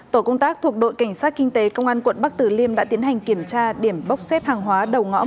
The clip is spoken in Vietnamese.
tổ công tác thuộc đội cảnh sát kinh tế công an quận bắc tử liêm đã tiến hành kiểm tra điểm bốc xếp hàng hóa đầu ngõ một trăm ba mươi sáu hồ tùng mậu